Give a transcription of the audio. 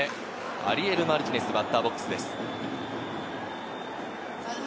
アリエル・マルティネスがバッターボックスです。